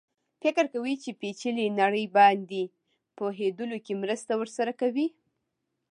فکر کوي چې پېچلې نړۍ باندې پوهېدلو کې مرسته ورسره کوي.